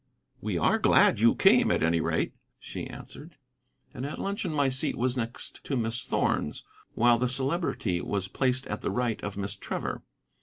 "We are glad you came, at any rate," she answered. And at luncheon my seat was next to Miss Thorn's, while the Celebrity was placed at the right of Miss Trevor.